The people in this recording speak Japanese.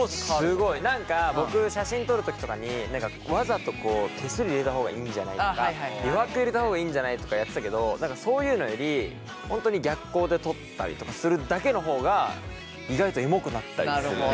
何か僕写真撮る時とかに何かわざと手すり入れた方がいいんじゃないとか余白入れた方がいいんじゃないとかやってたけど何かそういうのより本当に逆光で撮ったりとかするだけの方が意外とエモくなったりするね。